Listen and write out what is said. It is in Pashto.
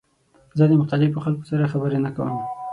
زه د مختلفو خلکو سره خبرې نه کوم.